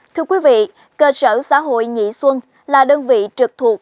thưa quý vị cơ sở xã hội nhị xuân là đơn vị trực thuộc